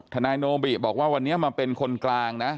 ทนายโนบิบอกว่าวันนี้มาเป็นคนกลางนะ